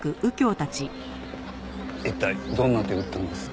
一体どんな手を打ったんです？